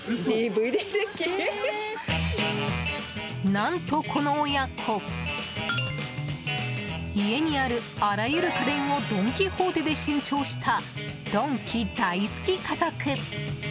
何と、この親子家にあるあらゆる家電をドン・キホーテで新調したドンキ大好き家族。